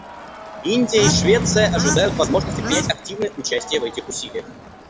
Индия и Швеция ожидают возможности принять активное участие в этих усилиях.